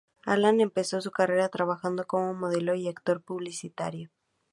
Alan empezó su carrera trabajando como modelo y actor publicitario.